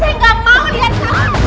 saya gak mau lihat